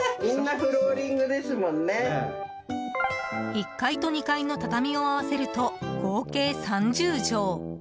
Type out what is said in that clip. １階と２階の畳を合わせると合計３０畳。